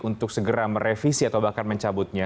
untuk segera merevisi atau bahkan mencabutnya